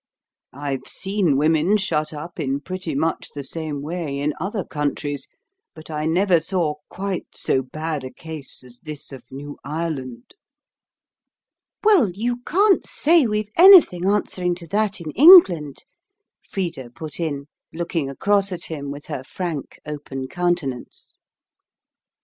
I've seen women shut up in pretty much the same way in other countries, but I never saw quite so bad a case as this of New Ireland." "Well, you can't say we've anything answering to that in England," Frida put in, looking across at him with her frank, open countenance.